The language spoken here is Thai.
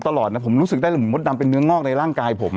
ตลอดนะผมรู้สึกได้เลยเหมือนมดดำเป็นเนื้องอกในร่างกายผม